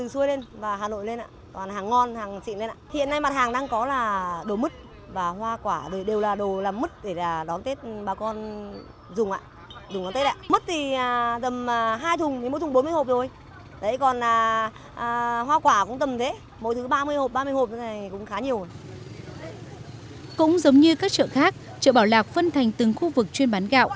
cũng giống như các chợ khác chợ bảo lạc phân thành từng khu vực chuyên bán gạo